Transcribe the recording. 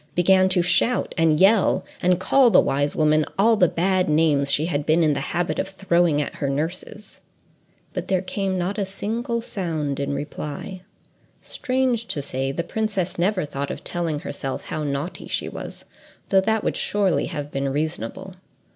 began to shout and yell, and call the wise woman all the bad names she had been in the habit of throwing at her nurses. But there came not a single sound in reply. Strange to say, the princess never thought of telling herself now how naughty she was, though that would surely have been reasonable.